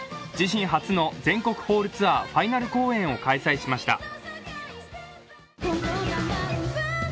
自身初の全国ホールツアーファイナル公演を開催しました。